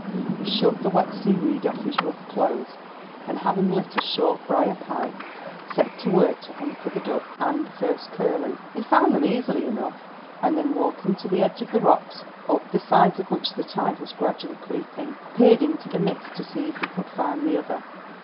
He shook the wet seaweed off his rough clothes, and, having lit a short briar pipe, set to work to hunt for the duck and the first curfew. He found them easily enough, and then, walking to the edge of the rocks, up the sides of which the tide was gradually creeping, peered into the mist to see if he could find the other.